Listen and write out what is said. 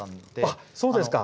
あっそうですか。